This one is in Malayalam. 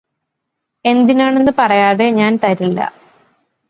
എന്തിനാണെന്ന് പറയാതെ ഞാന് തരില്ല